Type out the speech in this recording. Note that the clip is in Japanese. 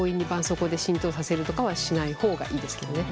そうこうで浸透させるとかはしない方がいいですけどね。